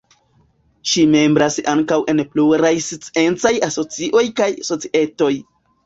Ŝi membras ankaŭ en pluraj sciencaj asocioj kaj societoj.